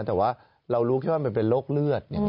แต่ว่าเรารู้แค่ว่ามันเป็นโรคเลือด